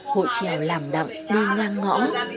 hội trèo làm đặng đi ngang ngõ